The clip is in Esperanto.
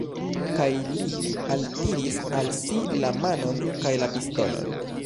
Kaj li altiris al si la manon kaj la pistolon.